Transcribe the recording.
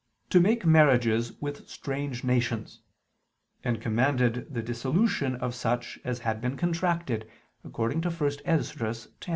to make marriages with strange nations; and commanded the dissolution of such as had been contracted (1 Esdras 10).